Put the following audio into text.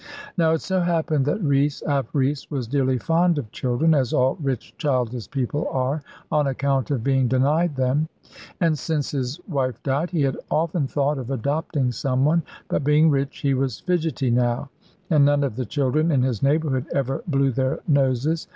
Now it so happened that Rees ap Rees was dearly fond of children, as all rich childless people are, on account of being denied them: and since his wife died, he had often thought of adopting some one. But being rich, he was fidgety now; and none of the children in his neighbourhood ever blew their noses.